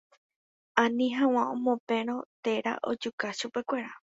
Ani hag̃ua omoperõ térã ojuka chupekuéra